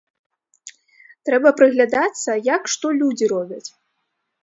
Трэба прыглядацца, як што людзі робяць.